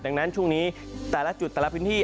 ดังนั้นช่วงนี้แต่ละจุดแต่ละพื้นที่